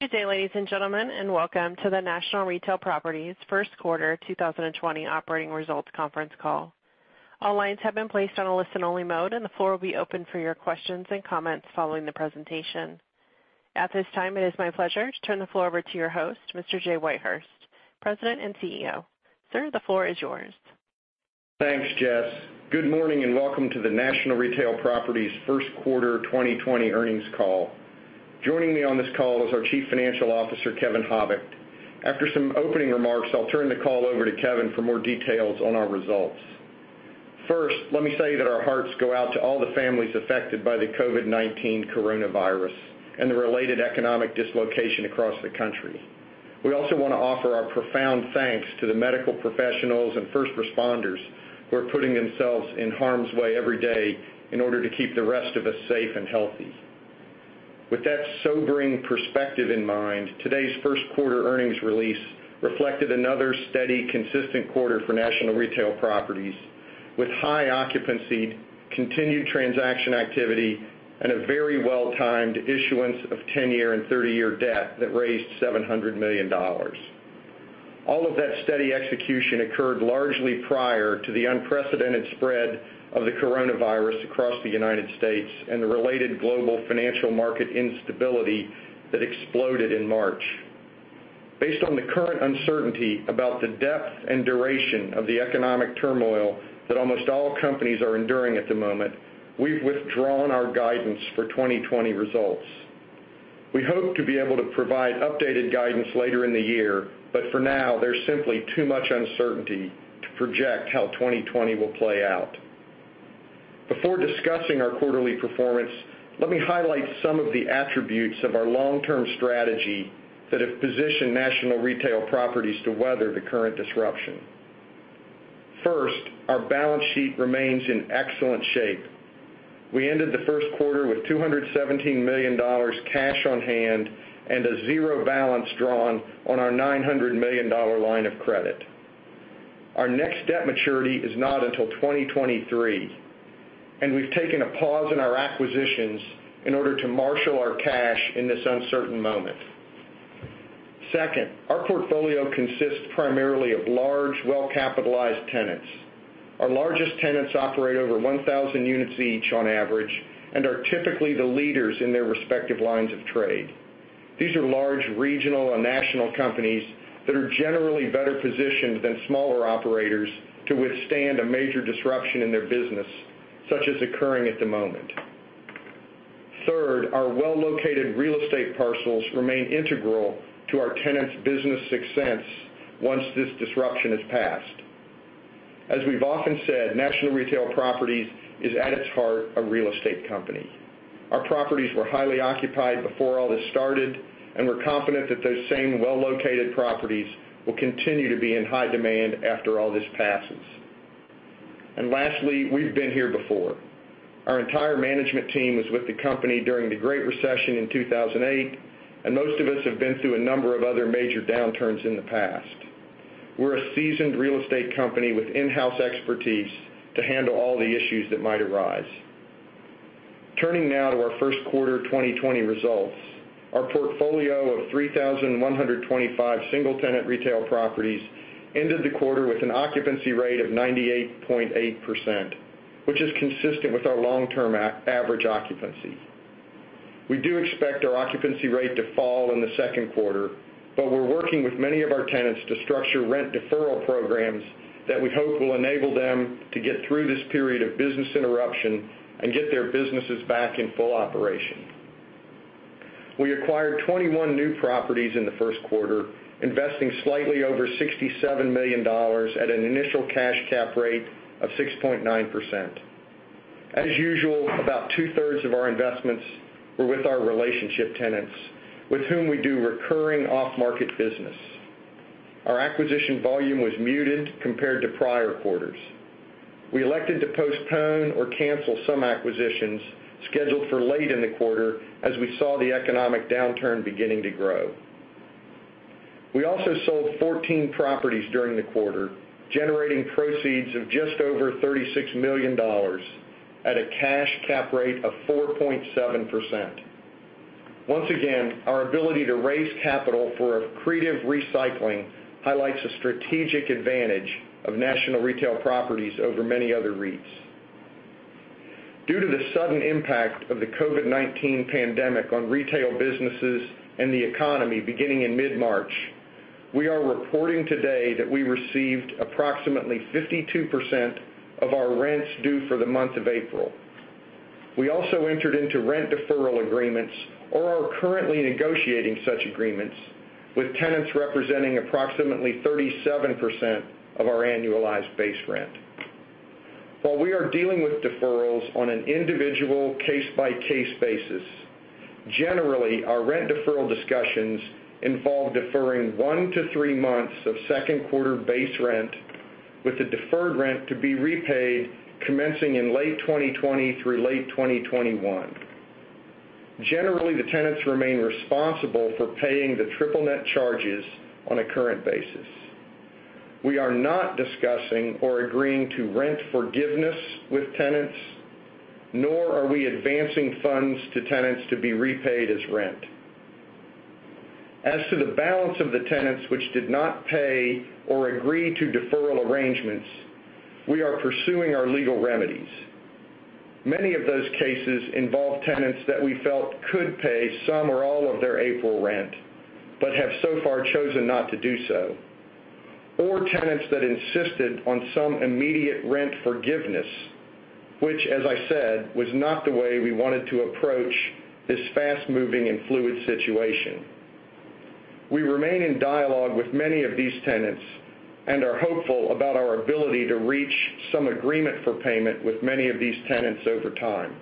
Good day, ladies and gentlemen, and welcome to the National Retail Properties first quarter 2020 operating results conference call. All lines have been placed on a listen-only mode and the floor will be open for your questions and comments following the presentation. At this time, it is my pleasure to turn the floor over to your host, Mr. Jay Whitehurst, President and CEO. Sir, the floor is yours. Thanks, Jess. Good morning and welcome to the National Retail Properties first quarter 2020 earnings call. Joining me on this call is our Chief Financial Officer, Kevin Habicht. After some opening remarks, I'll turn the call over to Kevin for more details on our results. First, let me say that our hearts go out to all the families affected by the COVID-19 coronavirus and the related economic dislocation across the country. We also want to offer our profound thanks to the medical professionals and first responders who are putting themselves in harm's way every day in order to keep the rest of us safe and healthy. With that sobering perspective in mind, today's first quarter earnings release reflected another steady, consistent quarter for National Retail Properties with high occupancy, continued transaction activity, and a very well-timed issuance of 10-year and 30-year debt that raised $700 million. All of that steady execution occurred largely prior to the unprecedented spread of the coronavirus across the United States and the related global financial market instability that exploded in March. Based on the current uncertainty about the depth and duration of the economic turmoil that almost all companies are enduring at the moment, we've withdrawn our guidance for 2020 results. We hope to be able to provide updated guidance later in the year, but for now, there's simply too much uncertainty to project how 2020 will play out. Before discussing our quarterly performance, let me highlight some of the attributes of our long-term strategy that have positioned National Retail Properties to weather the current disruption. First, our balance sheet remains in excellent shape. We ended the first quarter with $217 million cash on hand and a zero balance drawn on our $900 million line of credit. Our next debt maturity is not until 2023, and we've taken a pause in our acquisitions in order to marshal our cash in this uncertain moment. Second, our portfolio consists primarily of large, well-capitalized tenants. Our largest tenants operate over 1,000 units each on average and are typically the leaders in their respective lines of trade. These are large regional and national companies that are generally better positioned than smaller operators to withstand a major disruption in their business, such as occurring at the moment. Third, our well-located real estate parcels remain integral to our tenants' business success once this disruption has passed. As we've often said, National Retail Properties is at its heart a real estate company. Our properties were highly occupied before all this started, and we're confident that those same well-located properties will continue to be in high demand after all this passes. Lastly, we've been here before. Our entire management team was with the company during the Great Recession in 2008, and most of us have been through a number of other major downturns in the past. We're a seasoned real estate company with in-house expertise to handle all the issues that might arise. Turning now to our first quarter 2020 results. Our portfolio of 3,125 single-tenant retail properties ended the quarter with an occupancy rate of 98.8%, which is consistent with our long-term average occupancy. We do expect our occupancy rate to fall in the second quarter, but we're working with many of our tenants to structure rent deferral programs that we hope will enable them to get through this period of business interruption and get their businesses back in full operation. We acquired 21 new properties in the first quarter, investing slightly over $67 million at an initial cash cap rate of 6.9%. As usual, about two-thirds of our investments were with our relationship tenants, with whom we do recurring off-market business. Our acquisition volume was muted compared to prior quarters. We elected to postpone or cancel some acquisitions scheduled for late in the quarter as we saw the economic downturn beginning to grow. We also sold 14 properties during the quarter, generating proceeds of just over $36 million at a cash cap rate of 4.7%. Once again, our ability to raise capital for accretive recycling highlights the strategic advantage of National Retail Properties over many other REITs. Due to the sudden impact of the COVID-19 pandemic on retail businesses and the economy beginning in mid-March, we are reporting today that we received approximately 52% of our rents due for the month of April. We also entered into rent deferral agreements or are currently negotiating such agreements with tenants representing approximately 37% of our annualized base rent. While we are dealing with deferrals on an individual case-by-case basis, generally, our rent deferral discussions involve deferring one to three months of second quarter base rent with the deferred rent to be repaid commencing in late 2020 through late 2021. Generally, the tenants remain responsible for paying the triple net charges on a current basis. We are not discussing or agreeing to rent forgiveness with tenants, nor are we advancing funds to tenants to be repaid as rent. As to the balance of the tenants which did not pay or agree to deferral arrangements, we are pursuing our legal remedies. Many of those cases involve tenants that we felt could pay some or all of their April rent, but have so far chosen not to do so, or tenants that insisted on some immediate rent forgiveness, which as I said, was not the way we wanted to approach this fast-moving and fluid situation. We remain in dialogue with many of these tenants and are hopeful about our ability to reach some agreement for payment with many of these tenants over time.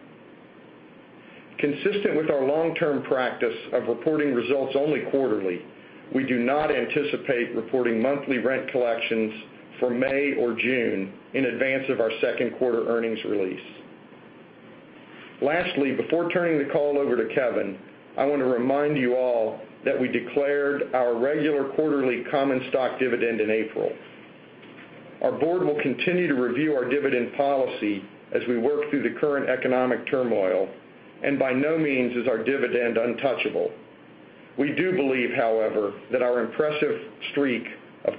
Consistent with our long-term practice of reporting results only quarterly, we do not anticipate reporting monthly rent collections for May or June in advance of our second quarter earnings release. Lastly, before turning the call over to Kevin, I want to remind you all that we declared our regular quarterly common stock dividend in April. By no means is our dividend untouchable. We do believe, however, that our impressive streak of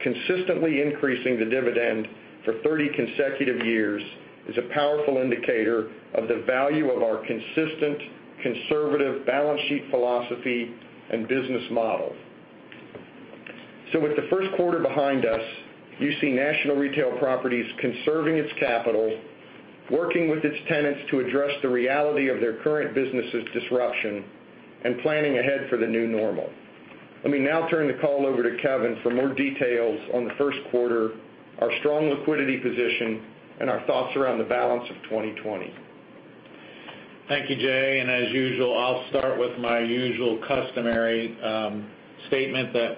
consistently increasing the dividend for 30 consecutive years is a powerful indicator of the value of our consistent, conservative balance sheet philosophy and business model. With the first quarter behind us, you see National Retail Properties conserving its capital, working with its tenants to address the reality of their current business' disruption, and planning ahead for the new normal. Let me now turn the call over to Kevin for more details on the first quarter, our strong liquidity position, and our thoughts around the balance of 2020. Thank you, Jay. As usual, I'll start with my usual customary statement that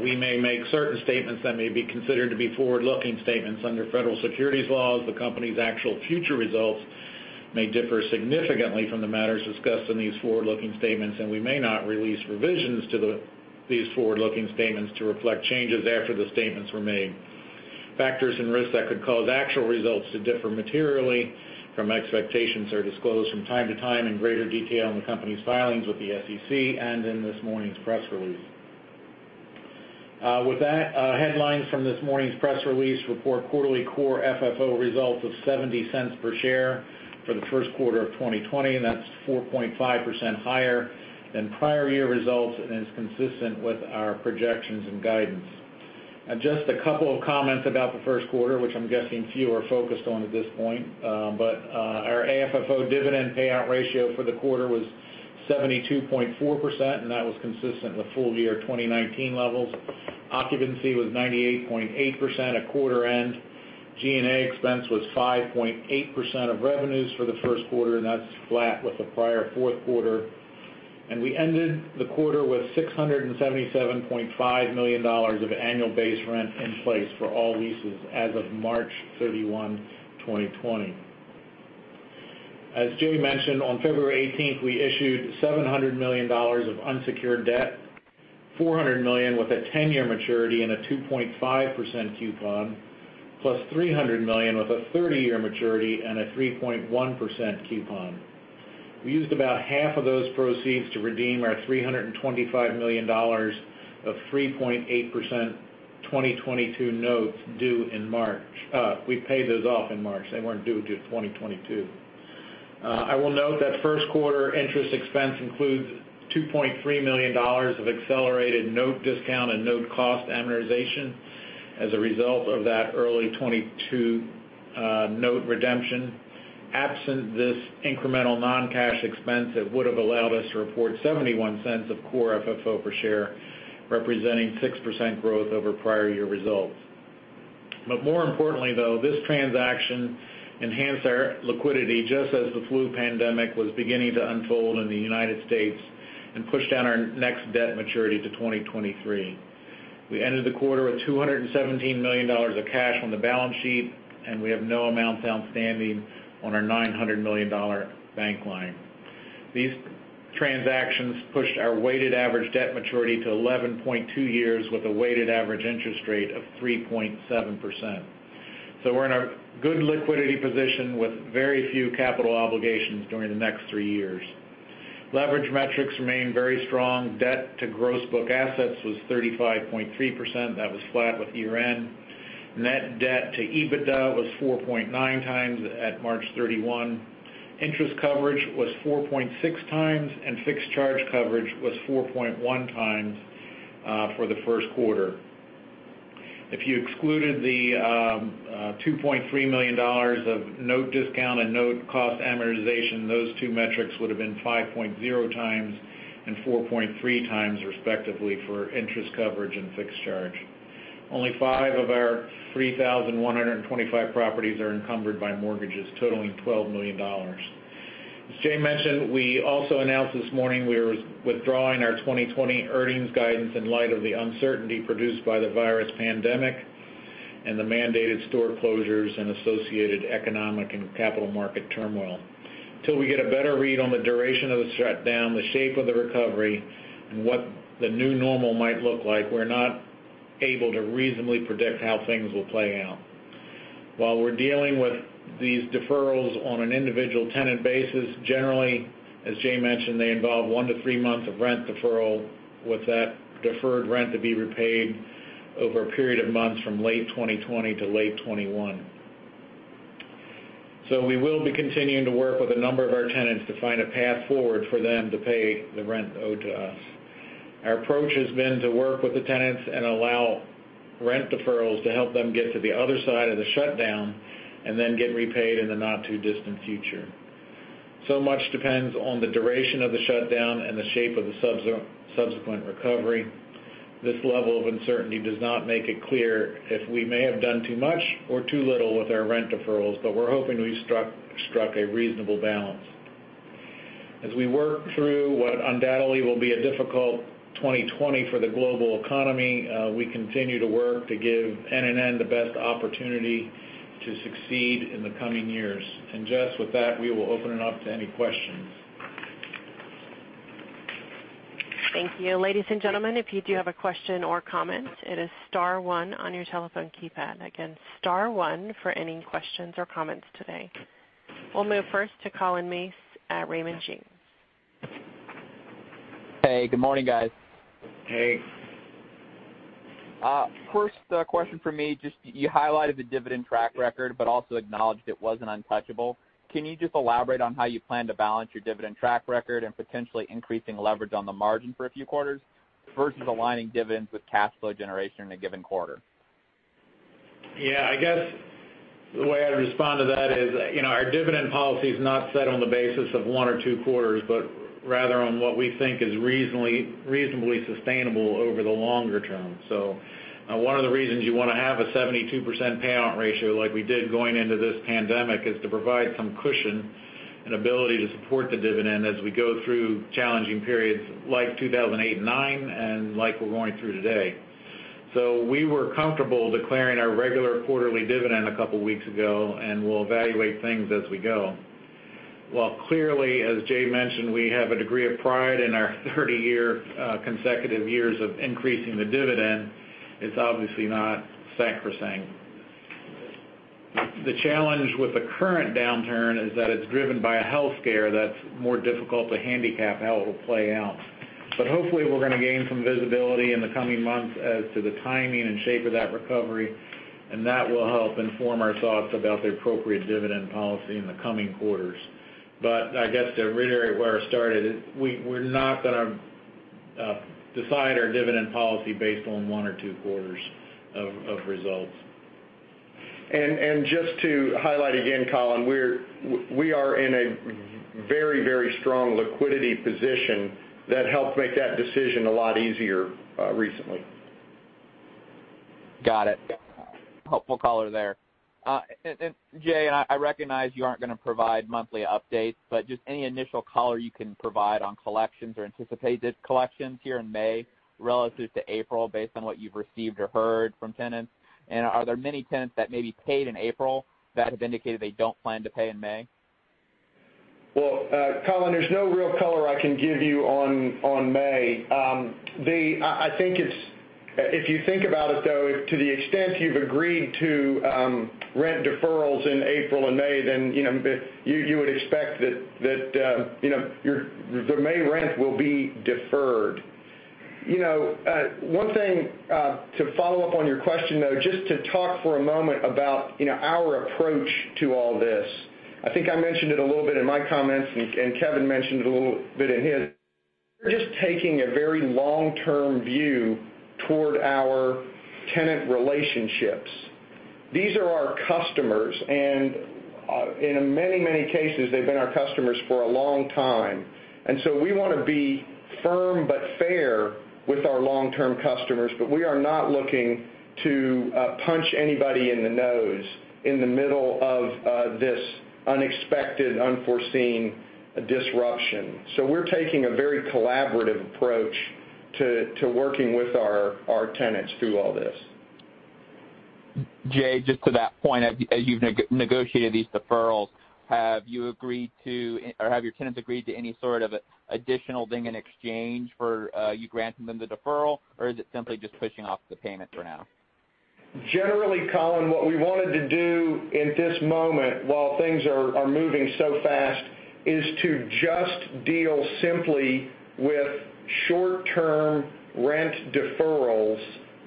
we may make certain statements that may be considered to be forward-looking statements under federal securities laws. The company's actual future results may differ significantly from the matters discussed in these forward-looking statements. We may not release revisions to these forward-looking statements to reflect changes after the statements were made. Factors and risks that could cause actual results to differ materially from expectations are disclosed from time to time in greater detail in the company's filings with the SEC and in this morning's press release. With that, headlines from this morning's press release report quarterly Core FFO results of $0.70 per share for the first quarter of 2020. That's 4.5% higher than prior year results and is consistent with our projections and guidance. Just a couple of comments about the first quarter, which I'm guessing few are focused on at this point. Our AFFO dividend payout ratio for the quarter was 72.4%, and that was consistent with full year 2019 levels. Occupancy was 98.8% at quarter end. G&A expense was 5.8% of revenues for the first quarter, and that's flat with the prior fourth quarter. We ended the quarter with $677.5 million of annual base rent in place for all leases as of March 31, 2020. As Jay mentioned, on February 18th, we issued $700 million of unsecured debt, $400 million with a 10-year maturity and a 2.5% coupon, plus $300 million with a 30-year maturity and a 3.1% coupon. We used about half of those proceeds to redeem our $325 million of 3.8% 2022 notes due in March. We paid those off in March. They weren't due till 2022. I will note that first quarter interest expense includes $2.3 million of accelerated note discount and note cost amortization as a result of that early 2022 note redemption. Absent this incremental non-cash expense, it would have allowed us to report $0.71 of Core FFO per share, representing 6% growth over prior year results. More importantly, though, this transaction enhanced our liquidity just as the flu pandemic was beginning to unfold in the United States and pushed down our next debt maturity to 2023. We ended the quarter with $217 million of cash on the balance sheet, and we have no amounts outstanding on our $900 million bank line. These transactions pushed our weighted average debt maturity to 11.2 years with a weighted average interest rate of 3.7%. We're in a good liquidity position with very few capital obligations during the next three years. Leverage metrics remain very strong. Debt to gross book assets was 35.3%. That was flat with year-end. Net debt to EBITDA was 4.9x at March 31. Interest coverage was 4.6x, and fixed charge coverage was 4.1x for the first quarter. If you excluded the $2.3 million of note discount and note cost amortization, those two metrics would have been 5.0x and 4.3x respectively for interest coverage and fixed charge. Only five of our 3,125 properties are encumbered by mortgages totaling $12 million. As Jay mentioned, we also announced this morning we are withdrawing our 2020 earnings guidance in light of the uncertainty produced by the virus pandemic and the mandated store closures and associated economic and capital market turmoil. Until we get a better read on the duration of the shutdown, the shape of the recovery, and what the new normal might look like, we're not able to reasonably predict how things will play out. While we're dealing with these deferrals on an individual tenant basis, generally, as Jay mentioned, they involve one to three months of rent deferral, with that deferred rent to be repaid over a period of months from late 2020 to late 2021. We will be continuing to work with a number of our tenants to find a path forward for them to pay the rent owed to us. Our approach has been to work with the tenants and allow rent deferrals to help them get to the other side of the shutdown and then get repaid in the not-too-distant future. Much depends on the duration of the shutdown and the shape of the subsequent recovery. This level of uncertainty does not make it clear if we may have done too much or too little with our rent deferrals, but we're hoping we've struck a reasonable balance. As we work through what undoubtedly will be a difficult 2020 for the global economy, we continue to work to give NNN the best opportunity to succeed in the coming years. Jess, with that, we will open it up to any questions. Thank you. Ladies and gentlemen, if you do have a question or comment, it is star one on your telephone keypad. Again, star one for any questions or comments today. We'll move first to Collin Mings at Raymond James. Hey, good morning, guys. Hey. First question from me. You highlighted the dividend track record, but also acknowledged it wasn't untouchable. Can you just elaborate on how you plan to balance your dividend track record and potentially increasing leverage on the margin for a few quarters versus aligning dividends with cash flow generation in a given quarter? Yeah. I guess the way I'd respond to that is, our dividend policy's not set on the basis of one or two quarters, but rather on what we think is reasonably sustainable over the longer term. One of the reasons you want to have a 72% payout ratio like we did going into this pandemic is to provide some cushion and ability to support the dividend as we go through challenging periods like 2008 and 2009 and like we're going through today. We were comfortable declaring our regular quarterly dividend a couple weeks ago, and we'll evaluate things as we go. While clearly, as Jay mentioned, we have a degree of pride in our 30 consecutive years of increasing the dividend, it's obviously not sacrosanct. The challenge with the current downturn is that it's driven by a health scare that's more difficult to handicap how it'll play out. Hopefully, we're going to gain some visibility in the coming months as to the timing and shape of that recovery, and that will help inform our thoughts about the appropriate dividend policy in the coming quarters. I guess to reiterate where I started, we're not going to decide our dividend policy based on one or two quarters of results. Just to highlight again, Collin, we are in a very strong liquidity position that helped make that decision a lot easier recently. Got it. Helpful color there. Jay, I recognize you aren't going to provide monthly updates, but just any initial color you can provide on collections or anticipated collections here in May relative to April, based on what you've received or heard from tenants. Are there many tenants that maybe paid in April that have indicated they don't plan to pay in May? Well, Collin, there's no real color I can give you on May. If you think about it, though, to the extent you've agreed to rent deferrals in April and May, then you would expect that the May rent will be deferred. One thing to follow up on your question, though, just to talk for a moment about our approach to all this. I think I mentioned it a little bit in my comments, and Kevin mentioned it a little bit in his. We're just taking a very long-term view toward our tenant relationships. These are our customers, and in many cases, they've been our customers for a long time. We want to be firm but fair with our long-term customers, but we are not looking to punch anybody in the nose in the middle of this unexpected, unforeseen disruption. We're taking a very collaborative approach to working with our tenants through all this. Jay, just to that point, as you've negotiated these deferrals, have your tenants agreed to any sort of additional thing in exchange for you granting them the deferral, or is it simply just pushing off the payments for now? Generally, Collin, what we wanted to do in this moment while things are moving so fast, is to just deal simply with short-term rent deferrals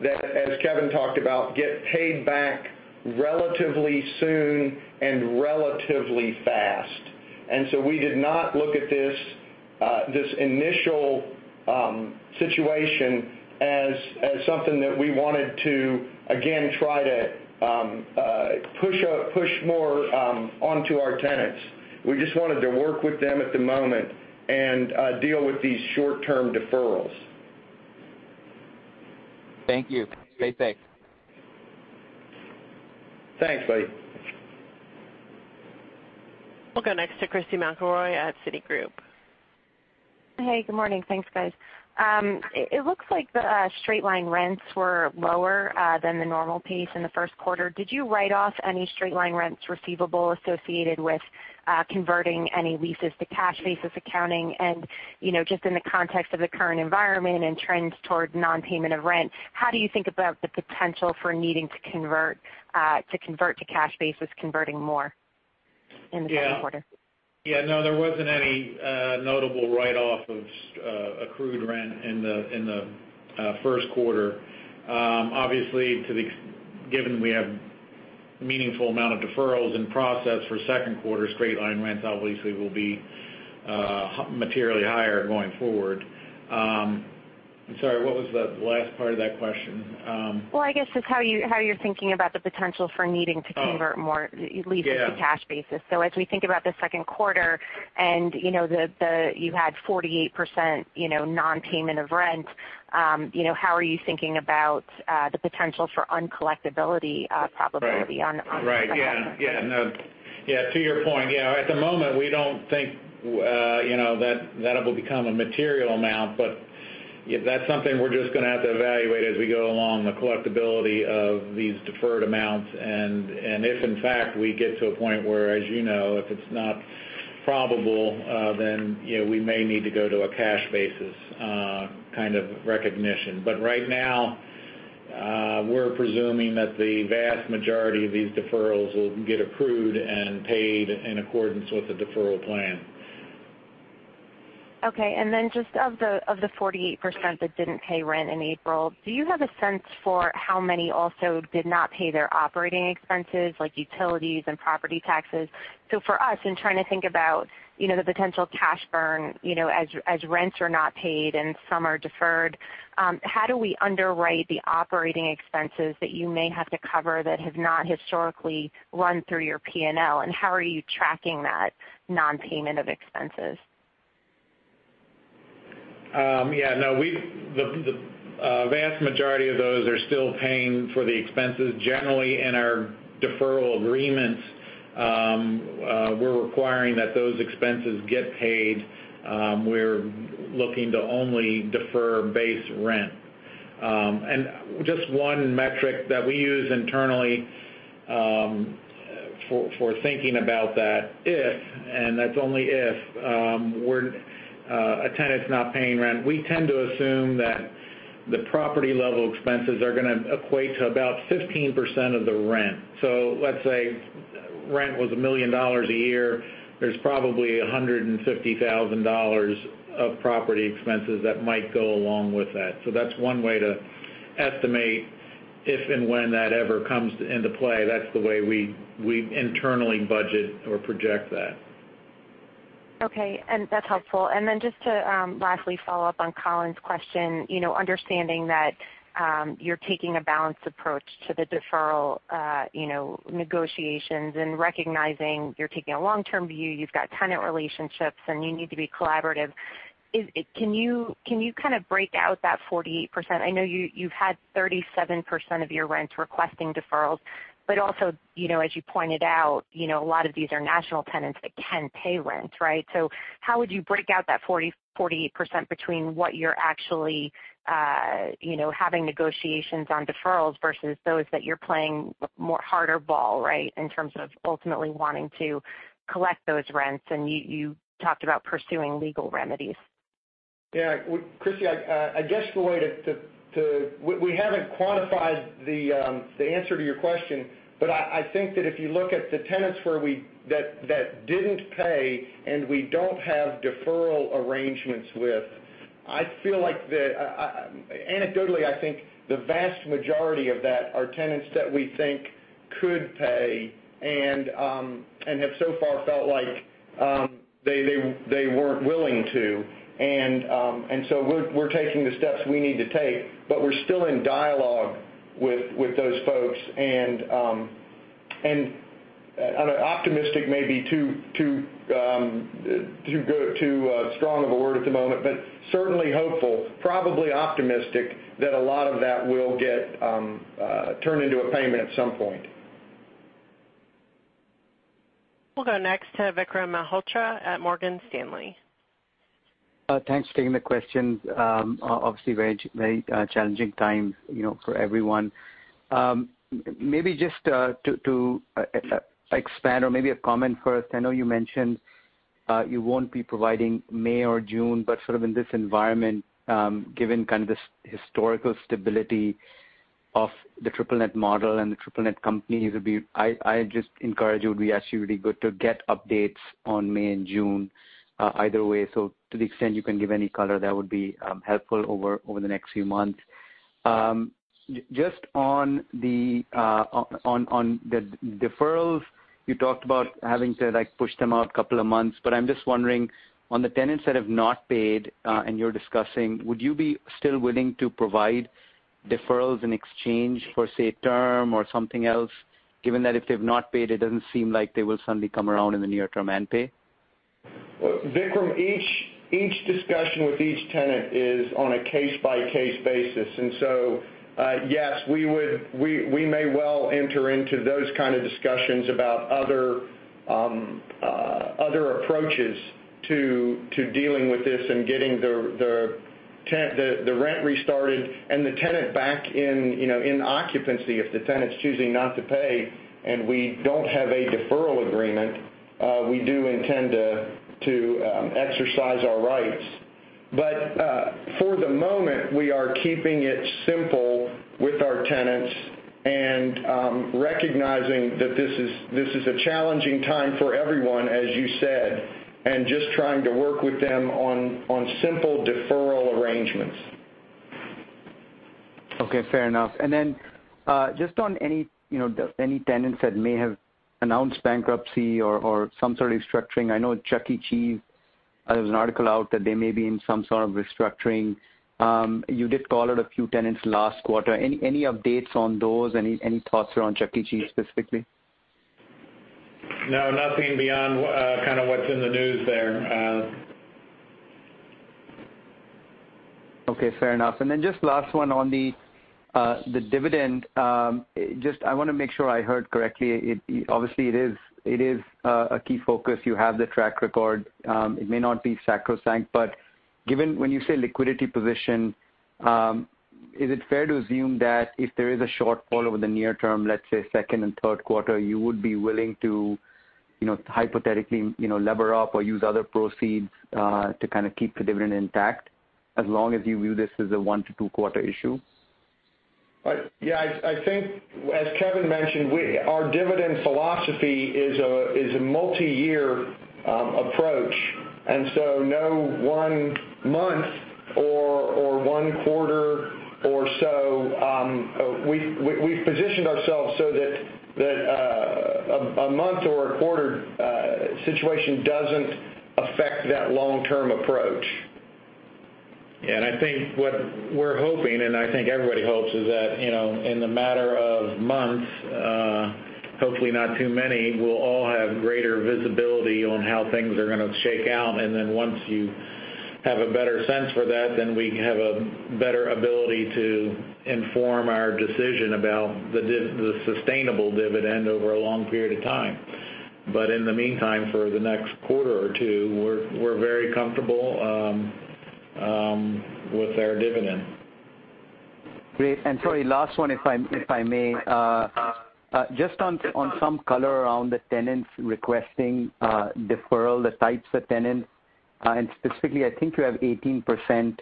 that, as Kevin talked about, get paid back relatively soon and relatively fast. We did not look at this initial situation as something that we wanted to again try to push more onto our tenants. We just wanted to work with them at the moment and deal with these short-term deferrals. Thank you. Stay safe. Thanks, buddy. We'll go next to Christy McElroy at Citigroup. Hey, good morning. Thanks, guys. It looks like the straight line rents were lower than the normal pace in the first quarter. Did you write off any straight line rents receivable associated with converting any leases to cash basis accounting? Just in the context of the current environment and trends toward non-payment of rent, how do you think about the potential for needing to convert to cash basis converting more in the second quarter? Yeah. No, there wasn't any notable write-off of accrued rent in the first quarter. Obviously, given we have a meaningful amount of deferrals in process for second quarter, straight line rents obviously will be materially higher going forward. I'm sorry, what was the last part of that question? Well, I guess just how you're thinking about the potential for needing to convert more leases? Yeah to cash basis. As we think about the second quarter, you've had 48% non-payment of rent, how are you thinking about the potential for uncollectibility probability? Right. Yeah. To your point, at the moment, we don't think that it will become a material amount, but that's something we're just going to have to evaluate as we go along, the collectibility of these deferred amounts. If in fact, we get to a point where, as you know, if it's not probable, then we may need to go to a cash basis kind of recognition. Right now, we're presuming that the vast majority of these deferrals will get approved and paid in accordance with the deferral plan. Just of the 48% that didn't pay rent in April, do you have a sense for how many also did not pay their operating expenses, like utilities and property taxes? For us, in trying to think about the potential cash burn as rents are not paid and some are deferred, how do we underwrite the operating expenses that you may have to cover that have not historically run through your P&L, and how are you tracking that non-payment of expenses? Yeah. No. The vast majority of those are still paying for the expenses. Generally, in our deferral agreements, we're requiring that those expenses get paid. We're looking to only defer base rent. Just one metric that we use internally for thinking about that if, and that's only if, a tenant's not paying rent, we tend to assume that the property-level expenses are going to equate to about 15% of the rent. Let's say rent was $1 million a year. There's probably $150,000 of property expenses that might go along with that. That's one way to estimate if and when that ever comes into play. That's the way we internally budget or project that. Okay. That's helpful. Just to lastly follow up on Collin's question, understanding that you're taking a balanced approach to the deferral negotiations and recognizing you're taking a long-term view, you've got tenant relationships, and you need to be collaborative. Can you kind of break out that 48%? I know you've had 37% of your rents requesting deferrals, but also, as you pointed out, a lot of these are national tenants that can pay rent, right? How would you break out that 48% between what you're actually having negotiations on deferrals versus those that you're playing harder ball, right, in terms of ultimately wanting to collect those rents, and you talked about pursuing legal remedies. Yeah. Christy, We haven't quantified the answer to your question, but I think that if you look at the tenants that didn't pay and we don't have deferral arrangements with, anecdotally, I think the vast majority of that are tenants that we think could pay and have so far felt like they weren't willing to. We're taking the steps we need to take, but we're still in dialogue with those folks, and optimistic may be too strong of a word at the moment, but certainly hopeful, probably optimistic that a lot of that will get turned into a payment at some point. We'll go next to Vikram Malhotra at Morgan Stanley. Thanks for taking the questions. Obviously, very challenging time for everyone. Maybe just to expand or maybe a comment first, I know you mentioned you won't be providing May or June, sort of in this environment, given kind of this historical stability of the triple net model and the triple net companies, I just encourage it would be actually really good to get updates on May and June, either way. To the extent you can give any color, that would be helpful over the next few months. Just on the deferrals, you talked about having to push them out a couple of months, I'm just wondering on the tenants that have not paid and you're discussing, would you be still willing to provide deferrals in exchange for, say, term or something else, given that if they've not paid, it doesn't seem like they will suddenly come around in the near term and pay? Vikram, each discussion with each tenant is on a case-by-case basis. Yes, we may well enter into those kind of discussions about other approaches to dealing with this and getting the rent restarted and the tenant back in occupancy. If the tenant's choosing not to pay and we don't have a deferral agreement, we do intend to exercise our rights. For the moment, we are keeping it simple with our tenants and recognizing that this is a challenging time for everyone, as you said, and just trying to work with them on simple deferral arrangements. Okay, fair enough. Just on any tenants that may have announced bankruptcy or some sort of restructuring. I know Chuck E. Cheese, there's an article out that they may be in some sort of restructuring. You did call out a few tenants last quarter. Any updates on those? Any thoughts around Chuck E. Cheese specifically? No, nothing beyond kind of what's in the news there. Okay, fair enough. Just last one on the dividend. Just, I want to make sure I heard correctly. Obviously, it is a key focus. You have the track record. It may not be sacrosanct, but given when you say liquidity position, is it fair to assume that if there is a shortfall over the near term, let's say second and third quarter, you would be willing to hypothetically lever up or use other proceeds to kind of keep the dividend intact, as long as you view this as a one to two quarter issue? Yeah, I think, as Kevin mentioned, our dividend philosophy is a multi-year approach. No one month or one quarter or so. We've positioned ourselves so that a month or a quarter situation doesn't affect that long-term approach. I think what we're hoping, and I think everybody hopes is that, in the matter of months, hopefully not too many, we'll all have greater visibility on how things are going to shake out. Then once you have a better sense for that, then we have a better ability to inform our decision about the sustainable dividend over a long period of time. In the meantime, for the next quarter or two, we're very comfortable with our dividend. Great. Sorry, last one, if I may. Just on some color around the tenants requesting deferral, the types of tenants, and specifically, I think you have 18%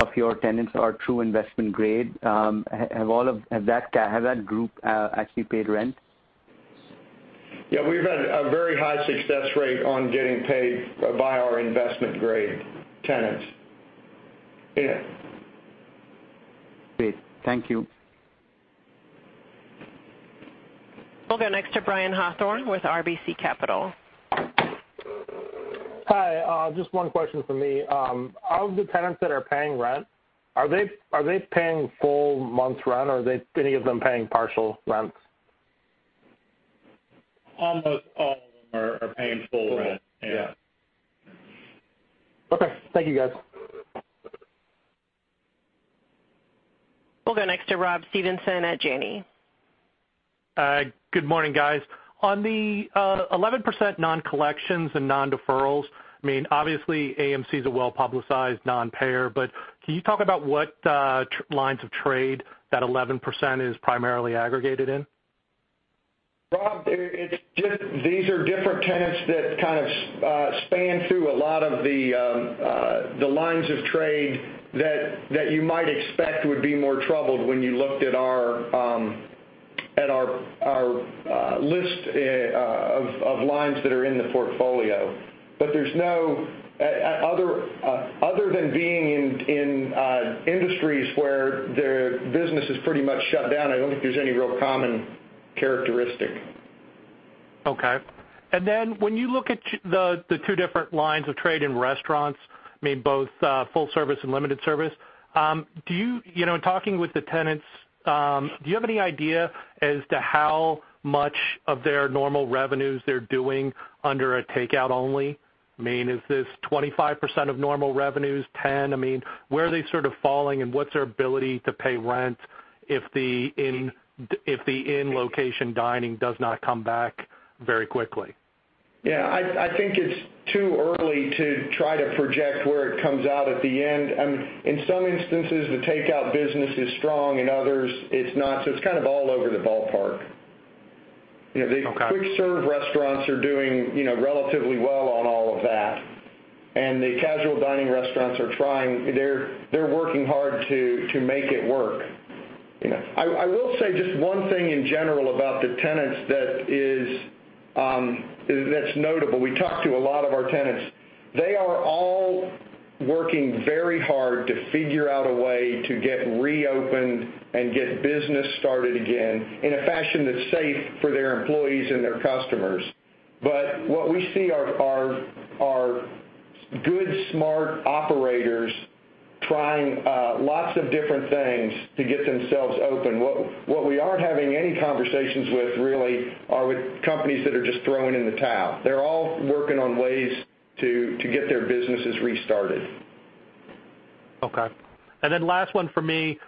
of your tenants are true investment grade. Has that group actually paid rent? Yeah, we've had a very high success rate on getting paid by our investment-grade tenants. Yeah. Great. Thank you. We'll go next to Brian Hawthorne with RBC Capital. Hi, just one question from me. Of the tenants that are paying rent, are they paying full month's rent or are any of them paying partial rents? Almost all of them are paying full rent. Full, yeah. Okay, thank you, guys. We'll go next to Rob Stevenson at Janney. Good morning, guys. On the 11% non-collections and non-deferrals, I mean, obviously AMC is a well-publicized non-payer, can you talk about what lines of trade that 11% is primarily aggregated in? Rob, these are different tenants that kind of span through a lot of the lines of trade that you might expect would be more troubled when you looked at our list of lines that are in the portfolio. Other than being in industries where their business is pretty much shut down, I don't think there's any real common characteristic. Okay. When you look at the two different lines of trade in restaurants, I mean both full service and limited service, in talking with the tenants, do you have any idea as to how much of their normal revenues they're doing under a takeout only? I mean, is this 25% of normal revenues, 10%? I mean, where are they sort of falling and what's their ability to pay rent if the in-location dining does not come back very quickly? I think it's too early to try to project where it comes out at the end. In some instances, the takeout business is strong, in others it's not. It's kind of all over the ballpark. Okay. The quick serve restaurants are doing relatively well on all of that, and the casual dining restaurants are trying. They're working hard to make it work. I will say just one thing in general about the tenants that's notable. We talked to a lot of our tenants. They are all working very hard to figure out a way to get reopened and get business started again in a fashion that's safe for their employees and their customers. What we see are good, smart operators trying lots of different things to get themselves open. What we aren't having any conversations with, really, are with companies that are just throwing in the towel. They're all working on ways to get their businesses restarted. Okay. Last one from me.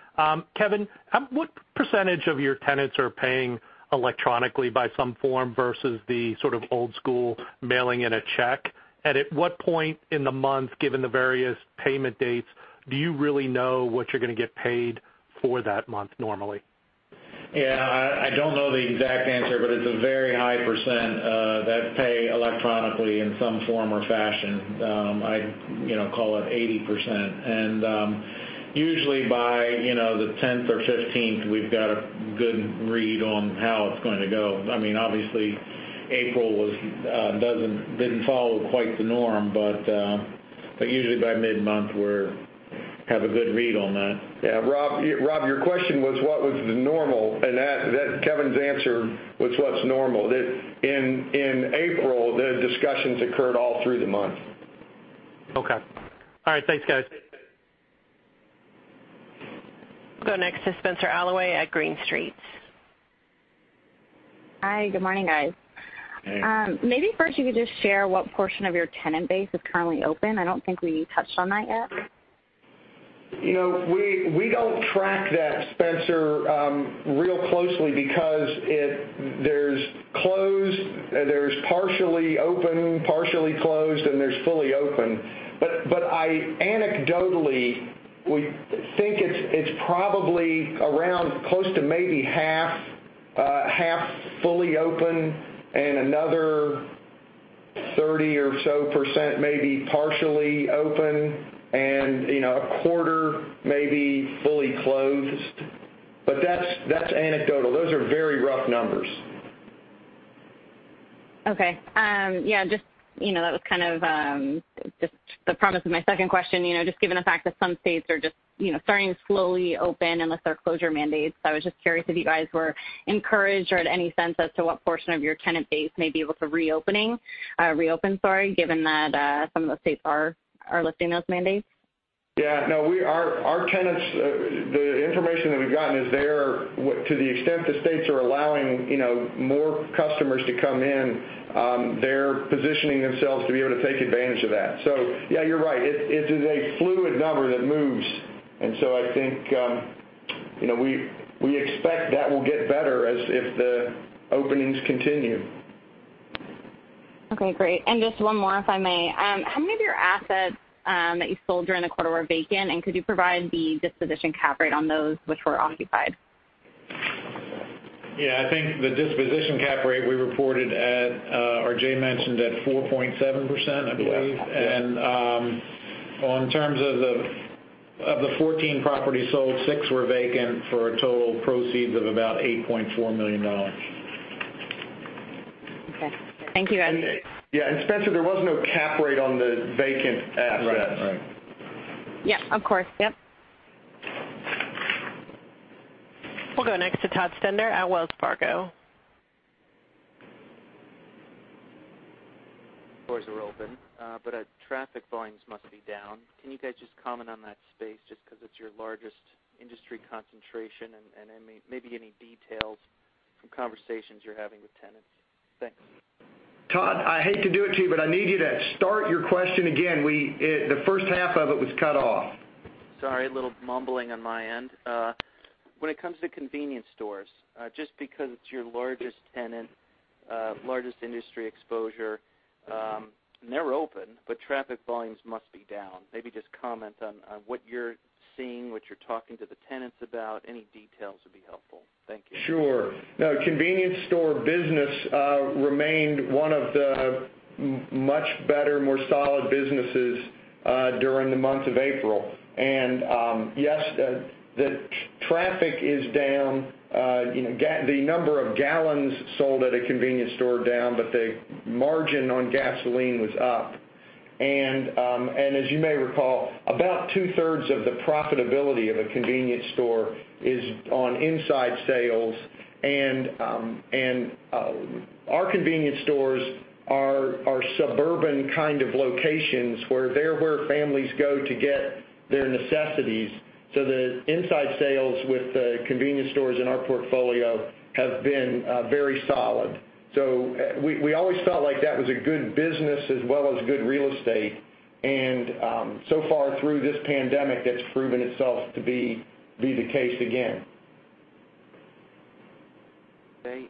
Kevin, what percentage of your tenants are paying electronically by some form, versus the sort of old school mailing in a check? At what point in the month, given the various payment dates, do you really know what you're going to get paid for that month normally? Yeah, I don't know the exact answer, but it's a very high percent, that pay electronically in some form or fashion. I call it 80%. Usually by the tenth or fifthteenth, we've got a good read on how it's going to go. Obviously, April didn't follow quite the norm, but usually by mid-month, we have a good read on that. Yeah. Rob, your question was what was the normal, and that, Kevin's answer, was what's normal. That in April, the discussions occurred all through the month. Okay. All right. Thanks, guys. We'll go next to Spenser Allaway at Green Street. Hi. Good morning, guys. Hey. Maybe first you could just share what portion of your tenant base is currently open? I don't think we touched on that yet. We don't track that, Spenser, real closely because there's closed, there's partially open, partially closed, and there's fully open. Anecdotally, we think it's probably around close to maybe half fully open and another 30% or so maybe partially open and a quarter maybe fully closed. That's anecdotal. Those are very rough numbers. Okay. Yeah, that was kind of just the premise of my second question. Just given the fact that some states are just starting to slowly open and lift their closure mandates, I was just curious if you guys were encouraged or had any sense as to what portion of your tenant base may be able to re-open, sorry, given that some of the states are lifting those mandates. Yeah, no. Our tenants, the information that we've gotten is to the extent the states are allowing more customers to come in, they're positioning themselves to be able to take advantage of that. Yeah, you're right. It is a fluid number that moves. I think we expect that will get better as if the openings continue. Okay, great. Just one more, if I may. How many of your assets that you sold during the quarter were vacant, and could you provide the disposition cap rate on those which were occupied? Yeah, I think the disposition cap rate we reported at, or Jay mentioned at 4.7%, I believe. Yeah. In terms of the 14 properties sold, six were vacant for a total proceeds of about $8.4 million. Okay. Thank you, guys. Yeah, and Spenser, there was no cap rate on the vacant assets. Right. Yeah. Of course. Yep. We'll go next to Todd Stender at Wells Fargo. Stores are open, but traffic volumes must be down. Can you guys just comment on that space, just because it's your largest industry concentration, and maybe any details from conversations you're having with tenants? Thanks. Todd, I hate to do it to you, but I need you to start your question again. The first half of it was cut off. Sorry. A little mumbling on my end. When it comes to convenience stores, just because it's your largest tenant, largest industry exposure, and they're open, but traffic volumes must be down. Maybe just comment on what you're seeing, what you're talking to the tenants about. Any details would be helpful. Thank you. Sure. No, convenience store business remained one of the much better, more solid businesses during the month of April. Yes, the traffic is down, the number of gallons sold at a convenience store are down, but the margin on gasoline was up. As you may recall, about two-thirds of the profitability of a convenience store is on inside sales and our convenience stores are suburban kind of locations where they're where families go to get their necessities. The inside sales with the convenience stores in our portfolio have been very solid. We always felt like that was a good business as well as good real estate, and so far through this pandemic, that's proven itself to be the case again. Okay.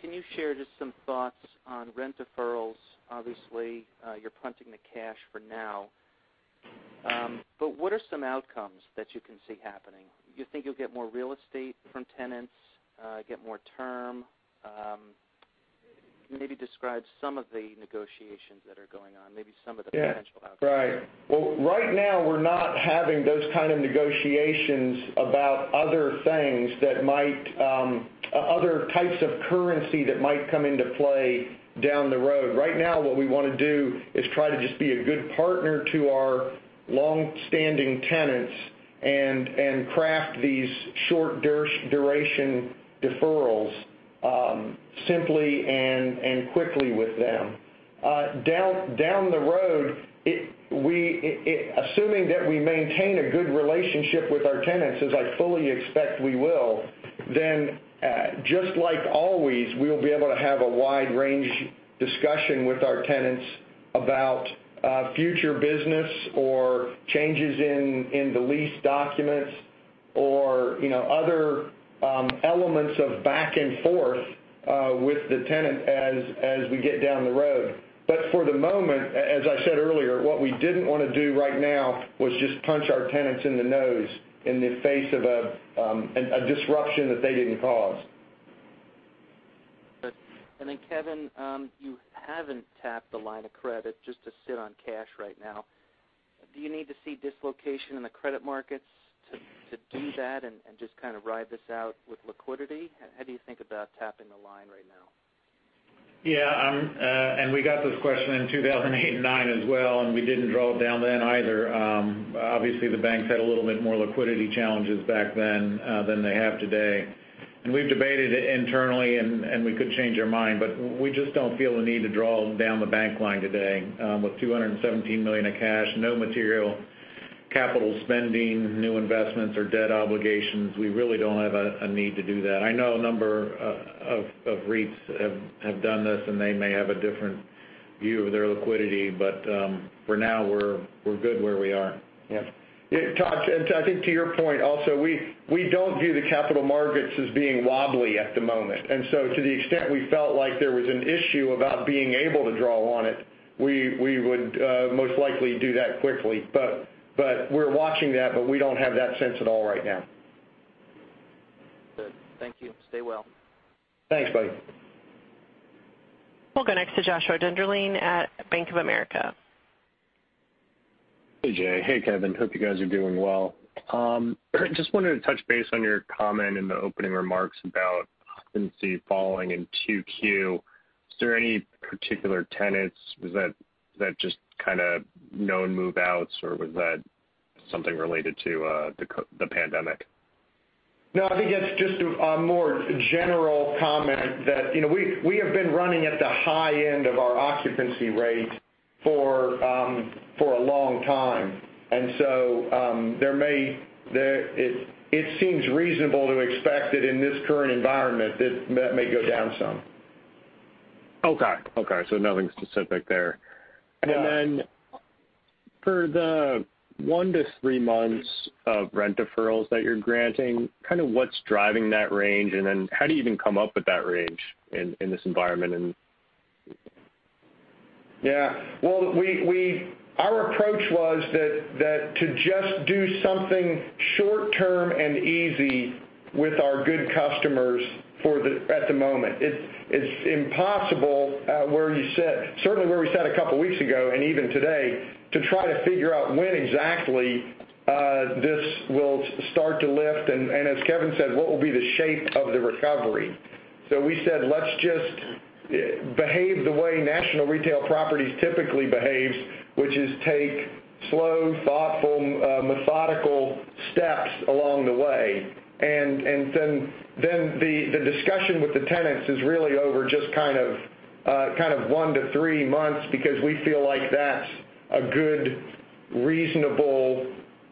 Can you share just some thoughts on rent deferrals? Obviously, you're printing the cash for now. What are some outcomes that you can see happening? Do you think you'll get more real estate from tenants, get more term? Maybe describe some of the negotiations that are going on, maybe some of the potential outcomes. Right. Well, right now we're not having those kind of negotiations about other types of currency that might come into play down the road. Right now, what we want to do is try to just be a good partner to our longstanding tenants. Craft these short-duration deferrals simply and quickly with them. Down the road, assuming that we maintain a good relationship with our tenants, as I fully expect we will, just like always, we'll be able to have a wide range discussion with our tenants about future business or changes in the lease documents or other elements of back and forth with the tenant as we get down the road. For the moment, as I said earlier, what we didn't want to do right now was just punch our tenants in the nose in the face of a disruption that they didn't cause. Good. Kevin, you haven't tapped the line of credit just to sit on cash right now. Do you need to see dislocation in the credit markets to do that and just kind of ride this out with liquidity? How do you think about tapping the line right now? Yeah. We got this question in 2008 and 2009 as well, we didn't draw it down then either. Obviously, the banks had a little bit more liquidity challenges back then than they have today. We've debated it internally, and we could change our mind, but we just don't feel the need to draw down the bank line today. With $217 million of cash, no material capital spending, new investments or debt obligations, we really don't have a need to do that. I know a number of REITs have done this, and they may have a different view of their liquidity, but for now, we're good where we are. Yeah. Yeah, Todd, I think to your point also, we don't view the capital markets as being wobbly at the moment. To the extent we felt like there was an issue about being able to draw on it, we would most likely do that quickly. We're watching that, but we don't have that sense at all right now. Good. Thank you. Stay well. Thanks, buddy. We'll go next to Joshua Dennerlein at Bank of America. Hey, Jay. Hey, Kevin. Hope you guys are doing well. Just wanted to touch base on your comment in the opening remarks about occupancy falling in 2Q. Is there any particular tenants? Was that just kind of known move-outs, or was that something related to the pandemic? No, I think that's just a more general comment that we have been running at the high end of our occupancy rate for a long time. It seems reasonable to expect that in this current environment, that may go down some. Okay. Nothing specific there. No. For the one to three months of rent deferrals that you're granting, what's driving that range, and then how do you even come up with that range in this environment? Yeah. Well, our approach was that to just do something short-term and easy with our good customers at the moment. It's impossible, certainly where we sat a couple of weeks ago, and even today, to try to figure out when exactly this will start to lift, and as Kevin said, what will be the shape of the recovery. We said, let's just behave the way National Retail Properties typically behaves, which is take slow, thoughtful, methodical steps along the way. The discussion with the tenants is really over just kind of one to three months because we feel like that's a good, reasonable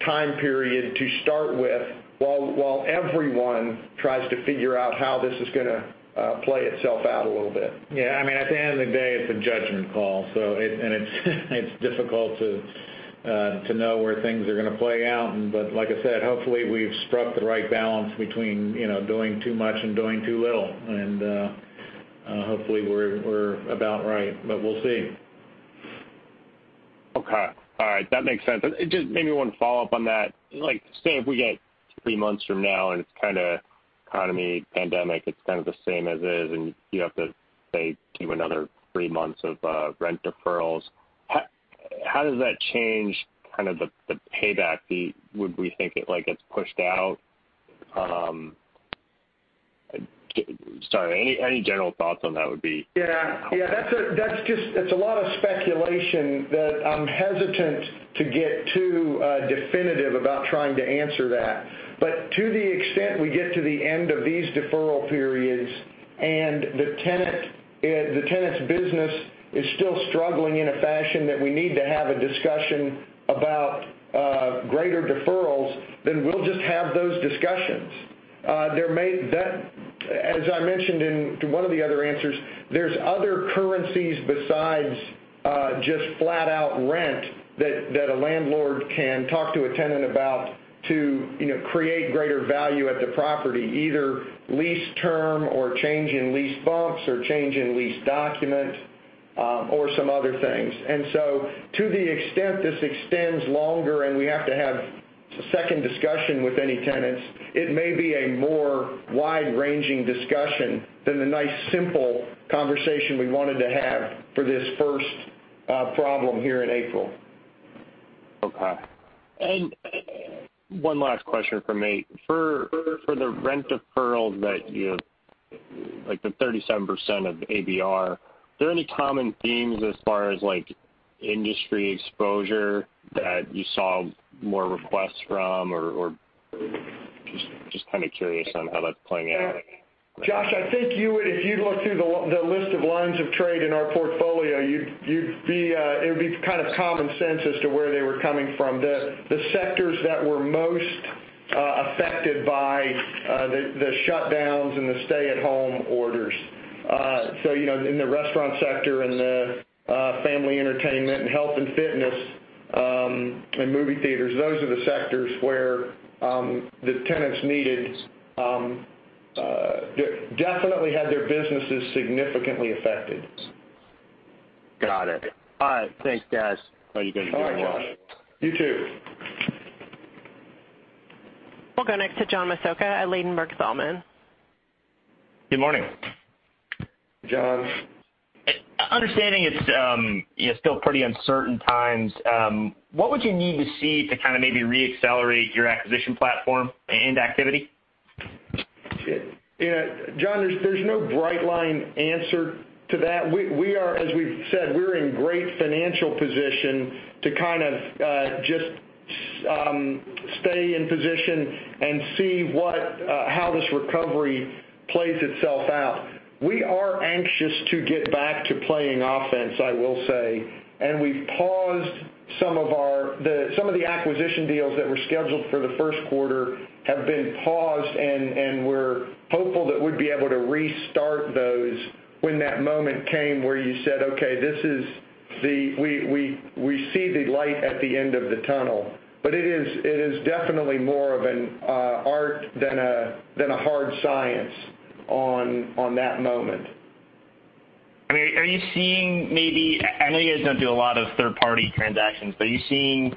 time period to start with while everyone tries to figure out how this is going to play itself out a little bit. Yeah, at the end of the day, it's a judgment call. It's difficult to know where things are going to play out, but like I said, hopefully we've struck the right balance between doing too much and doing too little. Hopefully we're about right, but we'll see. Okay. All right. That makes sense. Just maybe one follow-up on that. Say if we get three months from now and economy, pandemic, it's kind of the same as is, and you have to say, do another three months of rent deferrals. How does that change kind of the payback? Would we think it gets pushed out? Sorry, any general thoughts on that would be helpful. That's a lot of speculation that I'm hesitant to get too definitive about trying to answer that. To the extent we get to the end of these deferral periods and the tenant's business is still struggling in a fashion that we need to have a discussion about greater deferrals, then we'll just have those discussions. As I mentioned in one of the other answers, there's other currencies besides just flat out rent that a landlord can talk to a tenant about to create greater value at the property, either lease term or change in lease bumps or change in lease document, or some other things. To the extent this extends longer and we have to have second discussion with any tenants, it may be a more wide-ranging discussion than the nice, simple conversation we wanted to have for this first problem here in April. Okay. One last question from me. For the rent deferrals, like the 37% of ABR, are there any common themes as far as industry exposure that you saw more requests from, or just kind of curious on how that's playing out? Josh, I think if you look through the list of lines of trade in our portfolio, it would be kind of common sense as to where they were coming from, the sectors that were most affected by the shutdowns and the stay-at-home orders. In the restaurant sector and the family entertainment and health and fitness, and movie theaters, those are the sectors where the tenants definitely had their businesses significantly affected. Got it. All right. Thanks, guys. Have a good day. All right, Josh. You, too. We'll go next to John Massocca at Ladenburg Thalmann. Good morning. John. Understanding it's still pretty uncertain times, what would you need to see to kind of maybe re-accelerate your acquisition platform and activity? John, there's no bright line answer to that. As we've said, we're in great financial position to kind of just stay in position and see how this recovery plays itself out. We are anxious to get back to playing offense, I will say. Some of the acquisition deals that were scheduled for the first quarter have been paused, and we're hopeful that we'd be able to restart those when that moment came where you said, "Okay, we see the light at the end of the tunnel." It is definitely more of an art than a hard science on that moment. I know you guys don't do a lot of third-party transactions, but are you seeing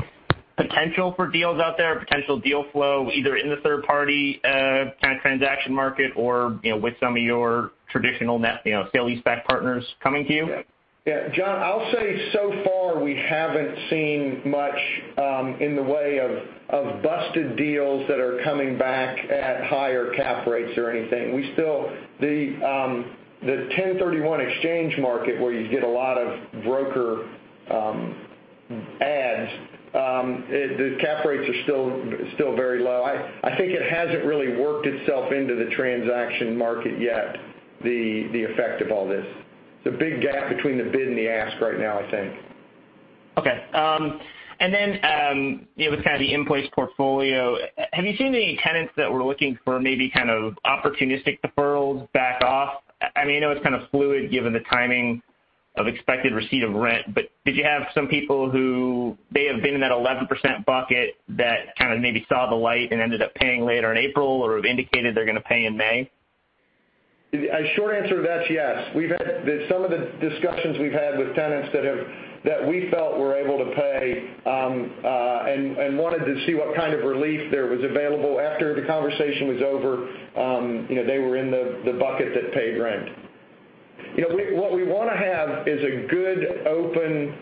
potential for deals out there, potential deal flow, either in the third-party kind of transaction market or with some of your traditional sale leaseback partners coming to you? Yeah. John, I'll say so far, we haven't seen much in the way of busted deals that are coming back at higher cap rates or anything. The 1031 exchange market where you get a lot of broker ads, the cap rates are still very low. I think it hasn't really worked itself into the transaction market yet, the effect of all this. There's a big gap between the bid and the ask right now, I think. Okay. Then, with kind of the in-place portfolio, have you seen any tenants that were looking for maybe kind of opportunistic deferrals back off? I know it's kind of fluid given the timing of expected receipt of rent, but did you have some people who may have been in that 11% bucket that kind of maybe saw the light and ended up paying later in April or have indicated they're going to pay in May? A short answer to that's yes. Some of the discussions we've had with tenants that we felt were able to pay, and wanted to see what kind of relief there was available after the conversation was over, they were in the bucket that paid rent. What we want to have is a good, open,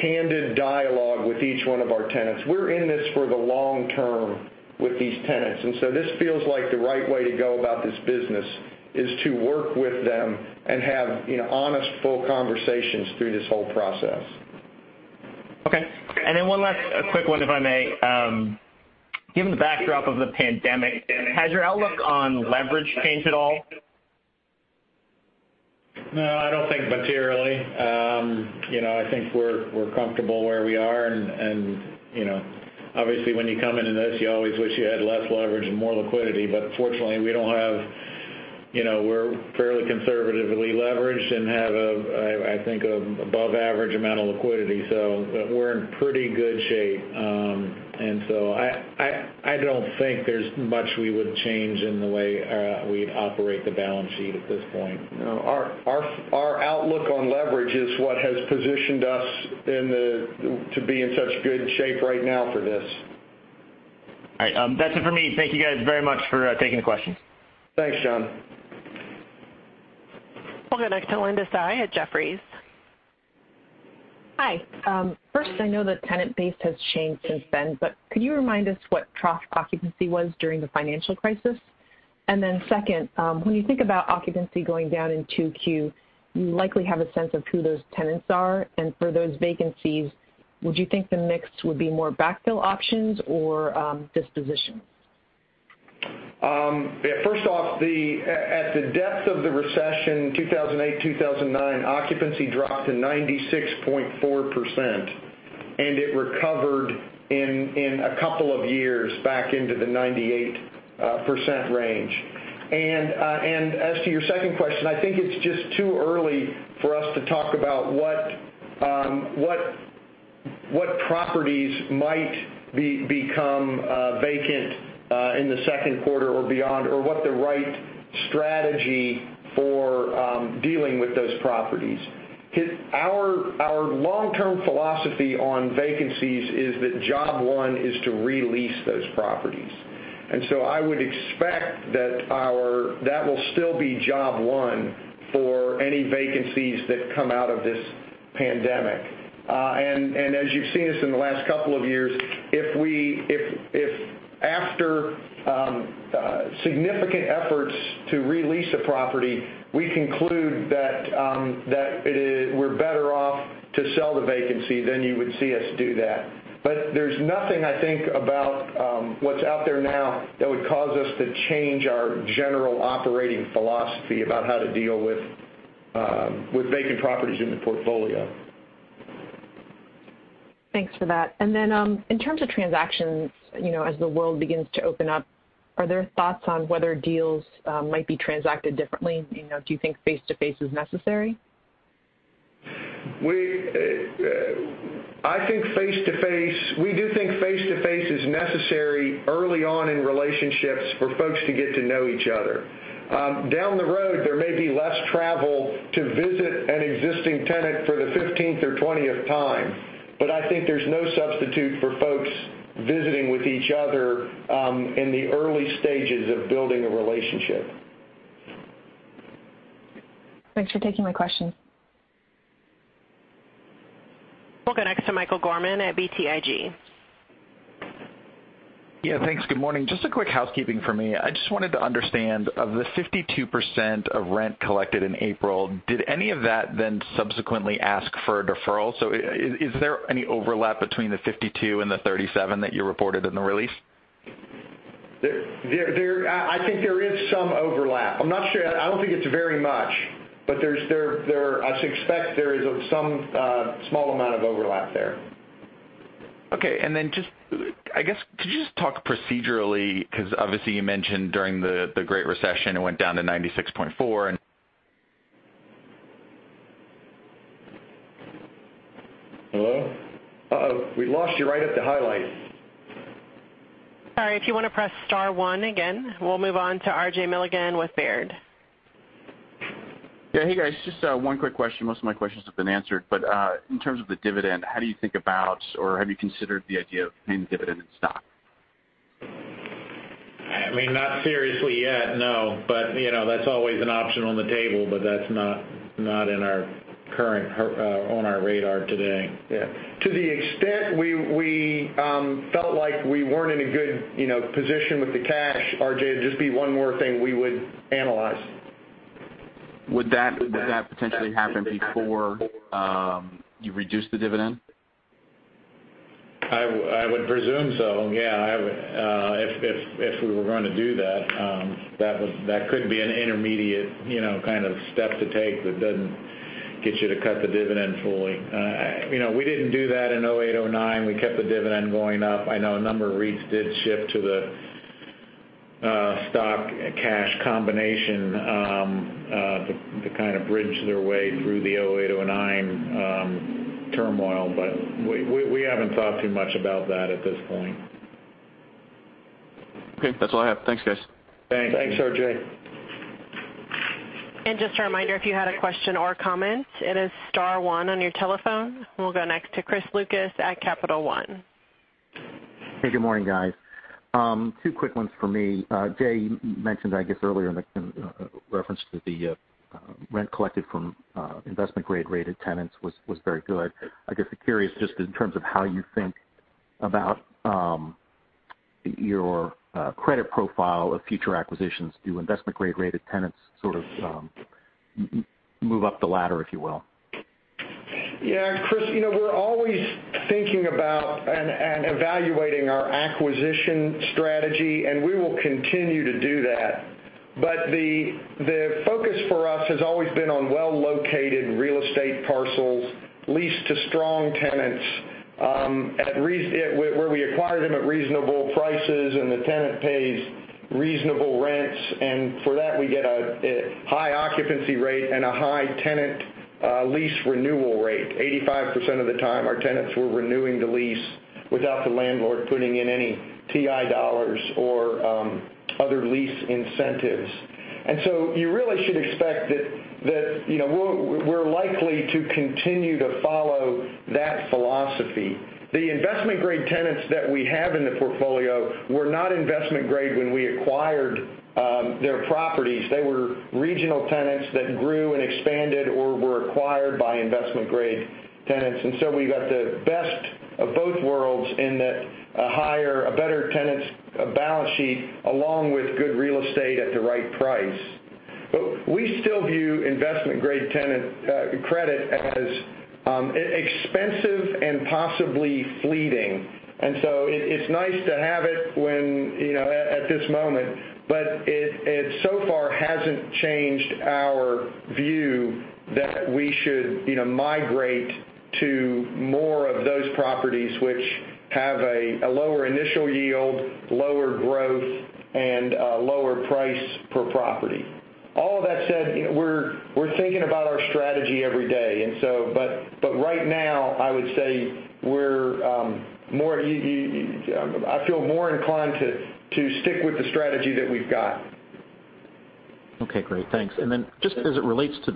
candid dialogue with each one of our tenants. We're in this for the long term with these tenants. This feels like the right way to go about this business, is to work with them and have honest, full conversations through this whole process. Okay. One last quick one, if I may. Given the backdrop of the pandemic, has your outlook on leverage changed at all? No, I don't think materially. I think we're comfortable where we are and obviously when you come into this, you always wish you had less leverage and more liquidity, but fortunately we're fairly conservatively leveraged and have, I think, above average amount of liquidity. We're in pretty good shape. I don't think there's much we would change in the way we'd operate the balance sheet at this point. No. Our outlook on leverage is what has positioned us to be in such good shape right now for this. All right. That's it for me. Thank you guys very much for taking the questions. Thanks, John. We'll go next to Linda Tsai at Jefferies. Hi. First, I know the tenant base has changed since then, but could you remind us what trough occupancy was during the financial crisis? Then second, when you think about occupancy going down in 2Q, you likely have a sense of who those tenants are. For those vacancies, would you think the mix would be more backfill options or dispositions? First off, at the depth of the recession in 2008-2009, occupancy dropped to 96.4%, and it recovered in a couple of years back into the 98% range. As to your second question, I think it's just too early for us to talk about what properties might become vacant in the second quarter or beyond, or what the right strategy for dealing with those properties. Our long-term philosophy on vacancies is that job one is to re-lease those properties. I would expect that will still be job one for any vacancies that come out of this pandemic. As you've seen us in the last couple of years, if after significant efforts to re-lease a property, we conclude that we're better off to sell the vacancy, then you would see us do that. There's nothing, I think, about what's out there now that would cause us to change our general operating philosophy about how to deal with vacant properties in the portfolio. Thanks for that. In terms of transactions, as the world begins to open up, are there thoughts on whether deals might be transacted differently? Do you think face-to-face is necessary? We do think face-to-face is necessary early on in relationships for folks to get to know each other. Down the road, there may be less travel to visit an existing tenant for the fifthteenth or twentieth time. I think there's no substitute for folks visiting with each other in the early stages of building a relationship. Thanks for taking my question. We'll go next to Michael Gorman at BTIG. Yeah, thanks. Good morning. Just a quick housekeeping for me. I just wanted to understand, of the 52% of rent collected in April, did any of that then subsequently ask for a deferral? Is there any overlap between the 52 and the 37 that you reported in the release? I think there is some overlap. I'm not sure. I don't think it's very much, but I expect there is some small amount of overlap there. Okay, could you just talk procedurally, because obviously you mentioned during the Great Recession, it went down to 96.4 and. Hello? Uh-oh, we lost you right at the highlight. Sorry. If you want to press star one again. We'll move on to R.J. Milligan with Baird. Yeah. Hey, guys. Just one quick question. Most of my questions have been answered, but in terms of the dividend, how do you think about, or have you considered the idea of paying the dividend in stock? Not seriously yet, no. That's always an option on the table, but that's not on our radar today. Yeah. To the extent we felt like we weren't in a good position with the cash, R.J., it'd just be one more thing we would analyze. Would that potentially happen before you reduce the dividend? I would presume so, yeah. If we were going to do that could be an intermediate kind of step to take that doesn't get you to cut the dividend fully. We didn't do that in 2008, 2009. We kept the dividend going up. I know a number of REITs did shift to the stock cash combination to kind of bridge their way through the 2008-2009 turmoil. We haven't thought too much about that at this point. Okay. That's all I have. Thanks, guys. Thanks. Thanks, R.J. Just a reminder, if you had a question or comment, it is star one on your telephone. We'll go next to Chris Lucas at Capital One. Hey, good morning, guys. Two quick ones for me. Jay, you mentioned, I guess, earlier in reference to the rent collected from investment-grade rated tenants was very good. I guess I'm curious just in terms of how you think about your credit profile of future acquisitions. Do investment-grade rated tenants sort of move up the ladder, if you will? Chris, we're always thinking about and evaluating our acquisition strategy, and we will continue to do that. The focus for us has always been on well-located real estate parcels leased to strong tenants, where we acquire them at reasonable prices and the tenant pays reasonable rents. For that, we get a high occupancy rate and a high tenant lease renewal rate. 85% of the time, our tenants were renewing the lease without the landlord putting in any TI dollars or other lease incentives. You really should expect that we're likely to continue to follow that philosophy. The investment-grade tenants that we have in the portfolio were not investment-grade when we acquired their properties. They were regional tenants that grew and expanded or were acquired by investment-grade tenants. We got the best of both worlds in that a better tenant's balance sheet along with good real estate at the right price. We still view investment grade credit as expensive and possibly fleeting. It's nice to have it at this moment, but it so far hasn't changed our view that we should migrate to more of those properties, which have a lower initial yield, lower growth, and a lower price per property. All of that said, we're thinking about our strategy every day. Right now, I would say I feel more inclined to stick with the strategy that we've got. Okay, great. Thanks. Then just as it relates to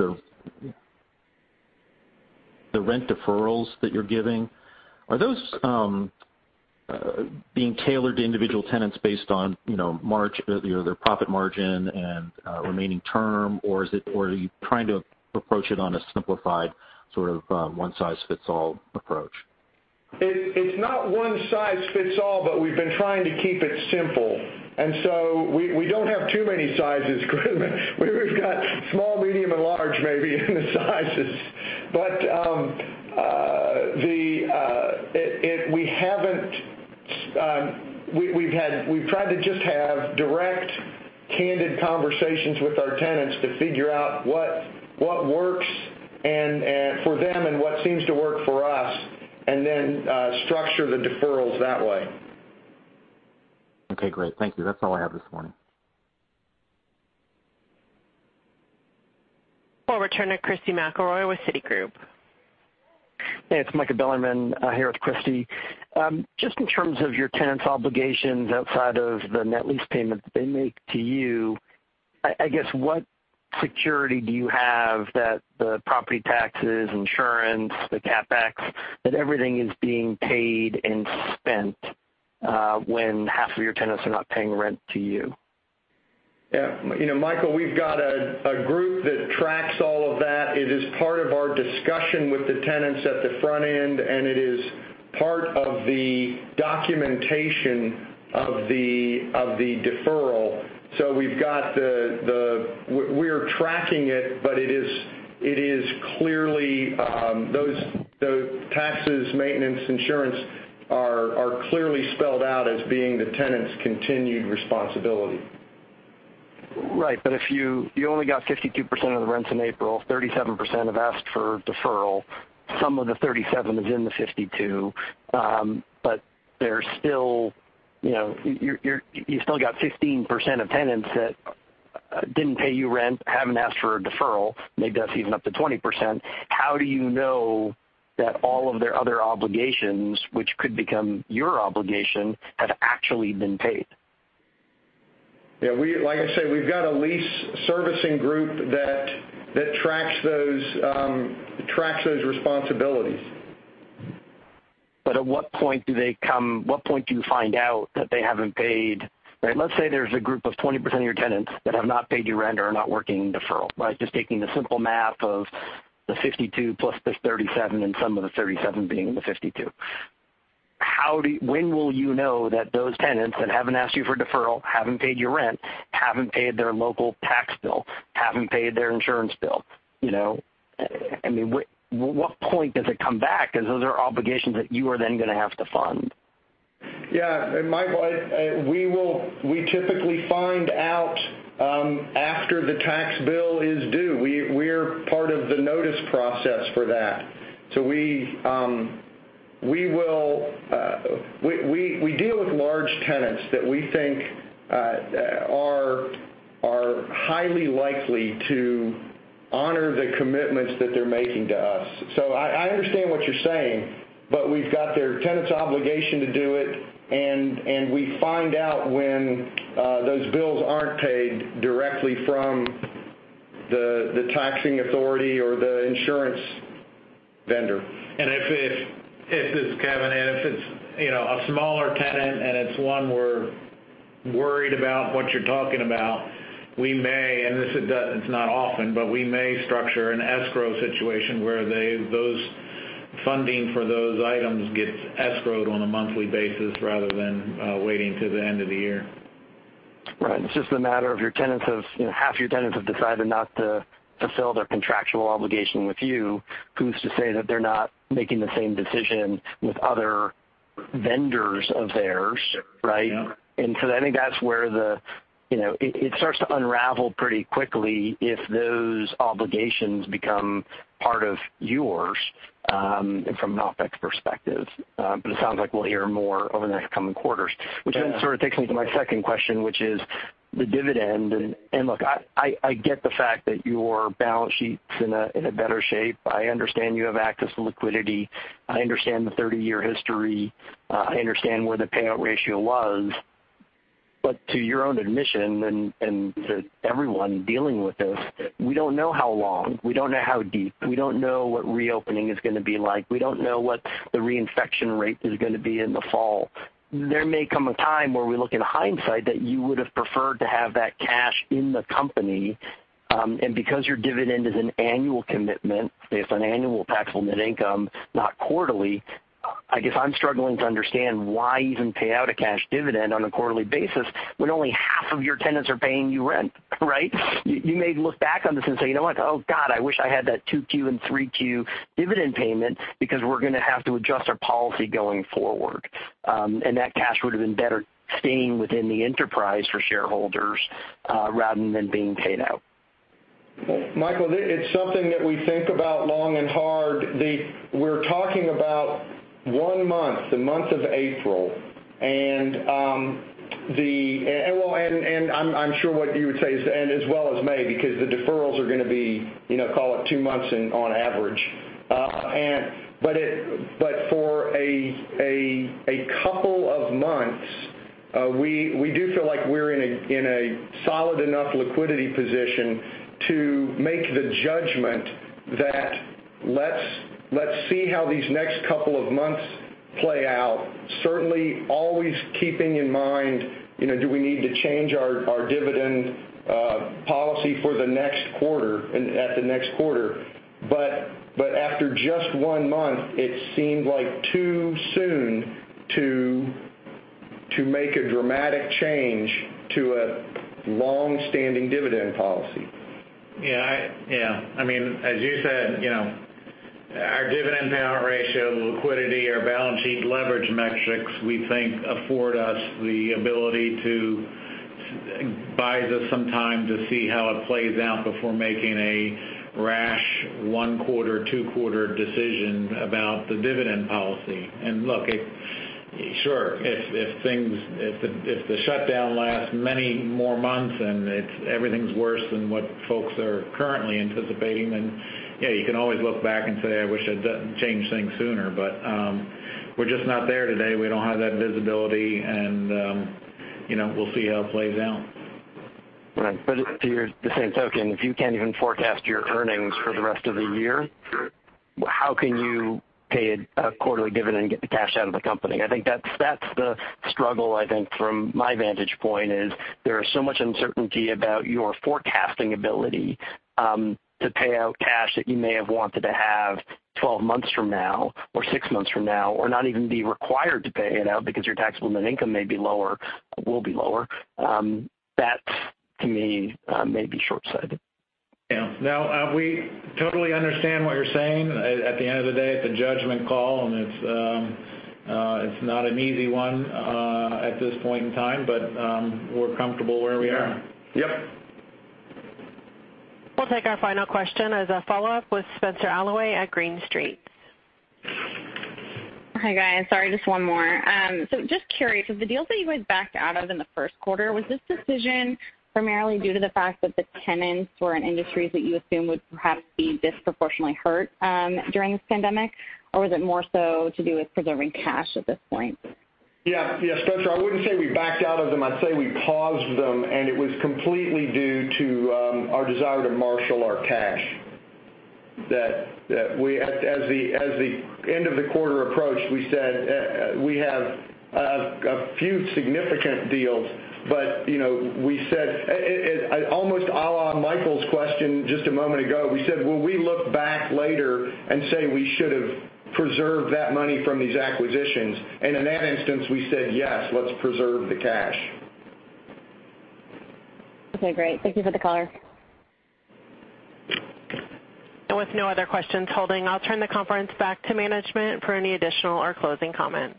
the rent deferrals that you're giving, are those? Being tailored to individual tenants based on their profit margin and remaining term? Or are you trying to approach it on a simplified sort of one-size-fits-all approach? It's not one-size-fits-all, but we've been trying to keep it simple. We don't have too many sizes. We've got small, medium, and large, maybe, in the sizes. We've tried to just have direct candid conversations with our tenants to figure out what works for them and what seems to work for us, structure the deferrals that way. Okay, great. Thank you. That's all I have this morning. We'll return to Christy McElroy with Citigroup. Hey, it's Michael Bilerman, here with Christy. Just in terms of your tenants' obligations outside of the net lease payments that they make to you, I guess, what security do you have that the property taxes, insurance, the CapEx, that everything is being paid and spent, when half of your tenants are not paying rent to you? Yeah. Michael, we've got a group that tracks all of that. It is part of our discussion with the tenants at the front end, and it is part of the documentation of the deferral. We're tracking it, but those taxes, maintenance, insurance are clearly spelled out as being the tenant's continued responsibility. Right. If you only got 52% of the rents in April, 37% have asked for deferral. Some of the 37 is in the 52. You still got 15% of tenants that didn't pay you rent, haven't asked for a deferral. Maybe that's even up to 20%. How do you know that all of their other obligations, which could become your obligation, have actually been paid? Yeah. Like I said, we've got a lease servicing group that tracks those responsibilities. At what point do you find out that they haven't paid? Let's say there's a group of 20% of your tenants that have not paid you rent or are not working in deferral. Just taking the simple math of the 52 plus this 37 and some of the 37 being in the 52. When will you know that those tenants that haven't asked you for deferral, haven't paid you rent, haven't paid their local tax bill, haven't paid their insurance bill? At what point does it come back? Those are obligations that you are then going to have to fund. Yeah. Michael, we typically find out after the tax bill is due. We're part of the notice process for that. We deal with large tenants that we think are highly likely to honor the commitments that they're making to us. I understand what you're saying, but we've got their tenant's obligation to do it, and we find out when those bills aren't paid directly from the taxing authority or the insurance vendor. This is Kevin. If it's a smaller tenant and it's one we're worried about what you're talking about, we may, and it's not often, but we may structure an escrow situation where those funding for those items gets escrowed on a monthly basis rather than waiting till the end of the year. Right. It's just the matter of half your tenants have decided not to fulfill their contractual obligation with you. Who's to say that they're not making the same decision with other vendors of theirs, right? Yeah. I think that's where it starts to unravel pretty quickly if those obligations become part of yours, from an OpEx perspective. It sounds like we'll hear more over the next coming quarters. Yeah. Which then sort of takes me to my second question, which is the dividend. Look, I get the fact that your balance sheet's in a better shape. I understand you have access to liquidity. I understand the 30-year history. I understand where the payout ratio was. To your own admission, and to everyone dealing with this, we don't know how long, we don't know how deep, we don't know what reopening is going to be like. We don't know what the reinfection rate is going to be in the fall. There may come a time where we look in hindsight that you would've preferred to have that cash in the company. Because your dividend is an annual commitment based on annual taxable net income, not quarterly, I guess I'm struggling to understand why even pay out a cash dividend on a quarterly basis when only half of your tenants are paying you rent, right? You may look back on this and say, "You know what. Oh, God, I wish I had that 2Q and 3Q dividend payment because we're going to have to adjust our policy going forward." That cash would've been better staying within the enterprise for shareholders, rather than being paid out. Michael, it's something that we think about long and hard. We're talking about one month, the month of April. I'm sure what you would say is, and as well as May, because the deferrals are going to be, call it two months on average. We do feel like we're in a solid enough liquidity position to make the judgment that let's see how these next couple of months play out. Certainly, always keeping in mind, do we need to change our dividend policy for the next quarter, at the next quarter? After just one month, it seemed like too soon to make a dramatic change to a longstanding dividend policy. Yeah. As you said, our dividend payout ratio, liquidity, our balance sheet leverage metrics, we think, afford us buys us some time to see how it plays out before making a rash one-quarter, two-quarter decision about the dividend policy. Look, sure, if the shutdown lasts many more months and everything's worse than what folks are currently anticipating, then yeah, you can always look back and say, "I wish I'd changed things sooner." We're just not there today. We don't have that visibility, and we'll see how it plays out. Right. To the same token, if you can't even forecast your earnings for the rest of the year, how can you pay a quarterly dividend and get the cash out of the company? I think that's the struggle, I think, from my vantage point is there is so much uncertainty about your forecasting ability to pay out cash that you may have wanted to have 12 months from now, or six months from now, or not even be required to pay it out because your taxable net income may be lower, or will be lower. That, to me, may be shortsighted. Yeah. No, we totally understand what you're saying. At the end of the day, it's a judgment call, and it's not an easy one at this point in time. We're comfortable where we are. We are. Yep. We'll take our final question as a follow-up with Spenser Allaway at Green Street. Hi, guys. Sorry, just one more. Just curious, with the deals that you guys backed out of in the first quarter, was this decision primarily due to the fact that the tenants were in industries that you assume would perhaps be disproportionately hurt during this pandemic? Or was it more so to do with preserving cash at this point? Yeah, Spenser, I wouldn't say we backed out of them. I'd say we paused them, and it was completely due to our desire to marshal our cash. That as the end of the quarter approached, we said we have a few significant deals, but we said, almost a la Michael's question just a moment ago, we said, "Will we look back later and say we should've preserved that money from these acquisitions?" In that instance, we said, "Yes, let's preserve the cash. Okay, great. Thank you for the color. With no other questions holding, I'll turn the conference back to management for any additional or closing comments.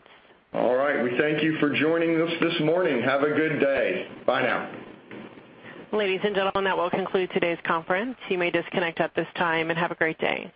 All right. We thank you for joining us this morning. Have a good day. Bye now. Ladies and gentlemen, that will conclude today's conference. You may disconnect at this time, and have a great day.